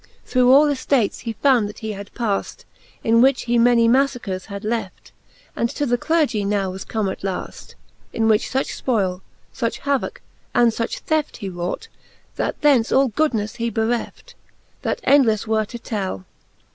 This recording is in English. Through all eftates he found that he had paft, In which he many maflacres had left, t,_ And to the Clergy now was come at laft ; In which fuch fpoile, fuch havocke, and fuch theft He wrought, that thence all goodneffe he bereft, That endlefTe were to tell.